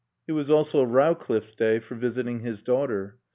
It was also Rowcliffe's day for visiting his daughter.